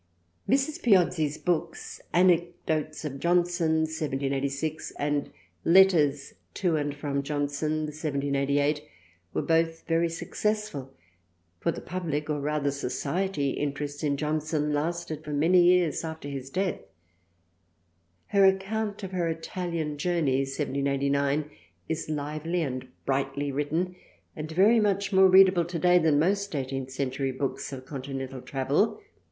Mrs. Piozzi's books " Anecdotes of Johnson "% (1786) and "Letters to and from Johnson" (1788) 58 THRALIANA were both very successful, for the pubHc or rather *' Society " interest in Johnson lasted for many years after his death. Her account of her Italian Journey (1789) is lively and brightly w^ritten and very much more readable today than most eighteenth century books of Continental Travel.